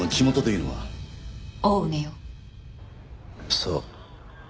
そう。